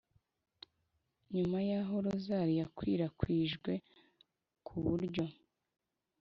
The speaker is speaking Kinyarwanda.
nyuma y’aho rozari yakwirakwijwe ku buryo